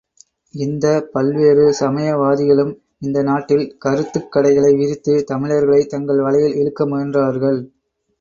இந்தப் பல்வேறு சமயவாதிகளும் இந்த நாட்டில் கருத்துக் கடைகளை விரித்துத் தமிழர்களைத் தங்கள் வலையில் இழுக்க முயன்றார்கள்.